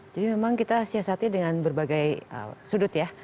jadi memang kita siasati dengan berbagai sudut ya